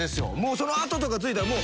その跡とかついたらもう。